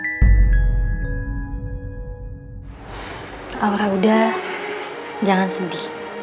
kalau ura udah jangan sedih